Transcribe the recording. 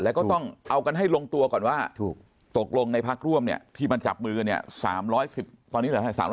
แล้วก็ต้องเอากันให้ลงตัวก่อนว่าตกลงในพักร่วมเนี่ยที่มันจับมือเนี่ย